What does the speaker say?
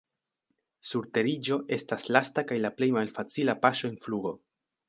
Surteriĝo estas lasta kaj la plej malfacila paŝo en flugo.